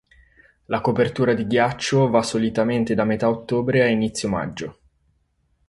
La copertura di ghiaccio va solitamente da metà ottobre a inizio maggio.